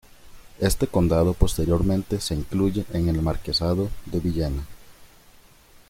Este condado posteriormente se incluye en el marquesado de Villena.